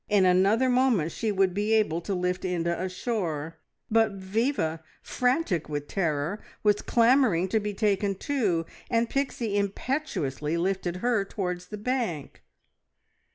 In another moment she would be able to lift Inda ashore; but Viva, frantic with terror, was clamouring to be taken too, and Pixie impetuously lifted her towards the bank.